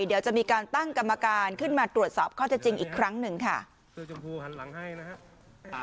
เดี๋ยวจะมีการตั้งกรรมการขึ้นมาตรวจสอบข้อจริงอีกครั้งหนึ่งค่ะ